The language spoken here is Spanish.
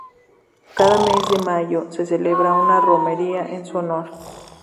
Cada mes de mayo se celebra una romería en su honor.